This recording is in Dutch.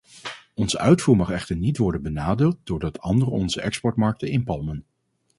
Onze uitvoer mag echter niet worden benadeeld doordat anderen onze exportmarkten inpalmen.